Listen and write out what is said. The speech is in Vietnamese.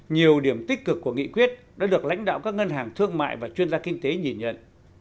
nhiều điểm tích cực của nghị quyết đã được lãnh đạo các ngân hàng thương mại và chuyên gia kinh tế nhìn nhận